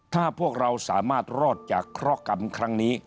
ถ้าพวกเราสามารถรอดจากเคราะหกรรมครั้งนี้